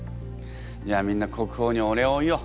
じゃあみんな国宝にお礼を言おう。